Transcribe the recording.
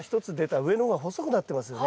上の方が細くなってますよね。